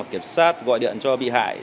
kiểm sát gọi điện cho bị hại